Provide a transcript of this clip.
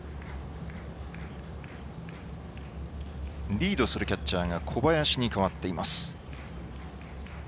リードするキャッチャーが小林に代わっています。